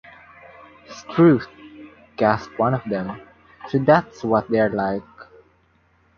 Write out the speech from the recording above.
"Strewth," gasped one of them, "so that's what they're like!